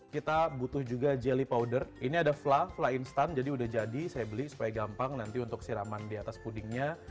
kita butuh juga jelly powder ini ada fluf fly instan jadi udah jadi saya beli supaya gampang nanti untuk siraman di atas pudingnya